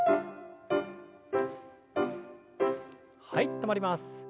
はい止まります。